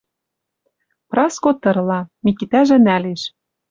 Праско тырла. Микитӓжӹ нӓлеш